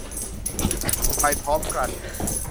ไปพร้อมกัน